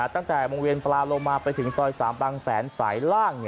ตั้งแต่วงเวียนปลาโลมาไปถึงซอย๓บางแสนสายล่าง